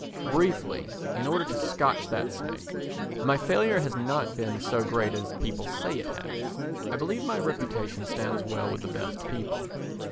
Briefly, in order to scotch that snake, my failure has not been so great as people say it has. I believe my reputation stands well with the best people.